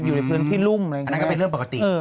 อยู่ในพื้นพิรุมอะไรอย่างเงี้ยอันนั้นก็เป็นเรื่องปกติ